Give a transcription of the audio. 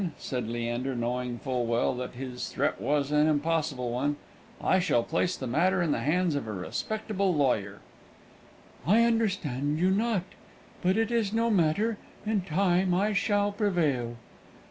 "Then," said Leander, knowing full well that his threat was an impossible one, "I shall place the matter in the hands of a respectable lawyer." "I understand you not; but it is no matter. In time I shall prevail."